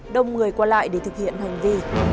đông người qua lại để thực hiện hành vi